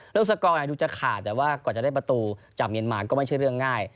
สกอร์อาจจะดูจะขาดแต่ว่ากว่าจะได้ประตูจากเมียนมาก็ไม่ใช่เรื่องง่าย